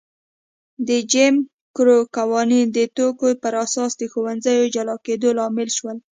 د جیم کرو قوانین د توکم پر اساس د ښوونځیو جلا کېدو لامل شول.